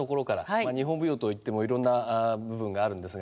まあ、日本舞踊といってもいろんな部分があるんですが。